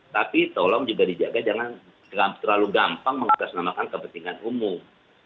tapi tolong juga dijaga jangan terlalu gampang mengatasnamakan kepentingan umum